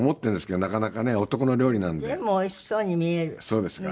そうですか？